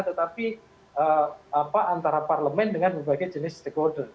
tetapi antara parlemen dengan berbagai jenis stakeholder